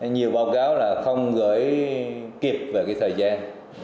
nhiều báo cáo là không gửi kịp về cái thời gian